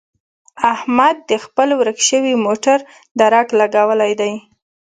احمد د خپل ورک شوي موټر درک لګولی دی.